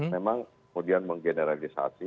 memang kemudian menggeneralisasi